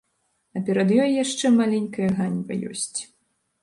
А перад ёй яшчэ маленькая ганьба ёсць.